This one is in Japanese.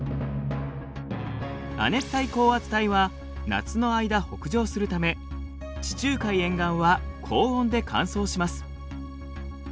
亜熱帯高圧帯は夏の間北上するため地中海沿岸は高温で乾燥します。